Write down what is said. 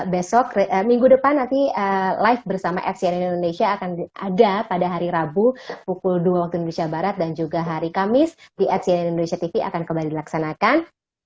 besok minggu depan nanti live bersama fcn indonesia akan ada pada hari rabu pukul dua waktu indonesia barat dan juga hari kamis di fcn indonesia tv akan kembali dilaksanakan